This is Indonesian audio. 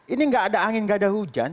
ini tidak ada angin tidak ada hujan